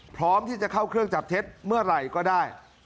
พร้อมที่จะเข้าเครื่องจับเท็จเมื่อไหร่ก็ได้